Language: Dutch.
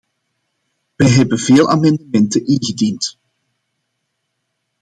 Wij hebben veel amendementen ingediend.